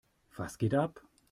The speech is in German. Was geht ab?